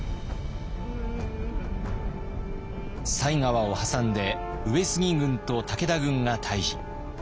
犀川を挟んで上杉軍と武田軍が対峙。